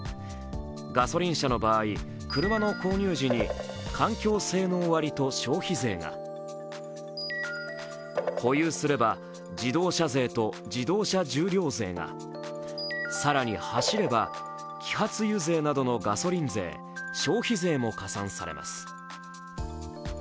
ガソリン車の場合、車の購入時に環境性能割と消費税が、保有すれば自動車税と自動車重量税が更に、走れば揮発油税などのガソリン税、消費税なども加算されます。